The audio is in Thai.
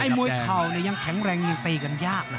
มวยเข่ายังแข็งแรงยังตีกันยากนะ